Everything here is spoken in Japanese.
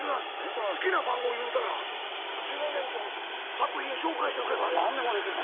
好きな番号言うたら自分で作品紹介してくれますから何でもできるの？